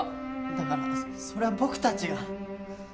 だからそれは僕たちが。